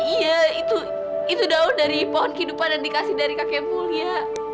iya itu daun dari pohon kehidupan yang dikasih dari kakekmu ria